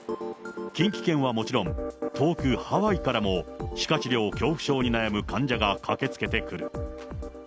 近畿圏はもちろん、遠くハワイからも歯科治療恐怖症に悩む患者が駆けつけてくる。